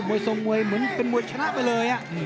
ส่งมวยส่งมวยเหมือนเป็นมวยชนะไปเลย